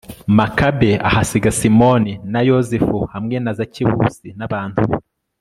makabe ahasiga simoni na yozefu hamwe na zakewusi n'abantu be